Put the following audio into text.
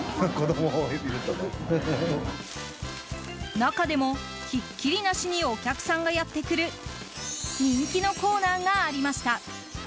中でも、ひっきりなしにお客さんがやってくる人気のコーナーがありました。